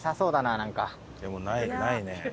でもないね。